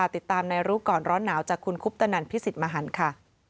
ติดตามในรู้ก่อนร้อนหนาวจากคุณคุปตนันพิสิทธิ์มหันค่ะ